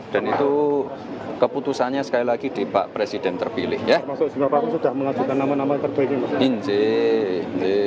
dan itu keputusannya sekali lagi di pak presiden terpilih ya